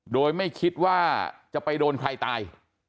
โดยไม่คิดว่าจะไปโดนใครตาย